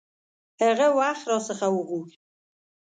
هغه وخت را څخه وغوښت.